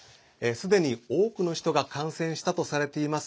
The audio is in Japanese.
すでに、多くの人が感染したとされています